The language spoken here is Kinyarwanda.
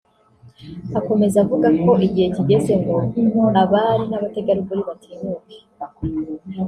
Akomeza avuga ko igihe kigeze ngo abari n’abategarugori bitinyuke